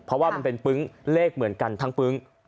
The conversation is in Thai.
เพราะว่ามันเป็นปึ๊งเลขเหมือนกันทั้งปึ๊ง